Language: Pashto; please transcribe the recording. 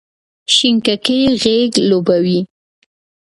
شینککۍ غیږ لوبوې،